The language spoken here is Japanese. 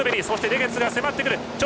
そして、レゲツが迫ってくる。